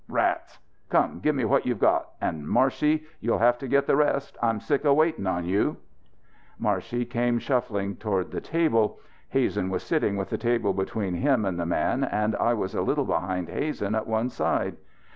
"Rats! Come! Give me what you've got! And Marshey, you'll have to get the rest. I'm sick of waiting on you." Marshey came shuffling toward the table. Hazen was sitting with the table between him and the man and I was a little behind Hazen at one side.